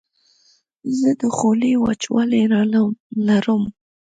زه د خولې وچوالی لرم.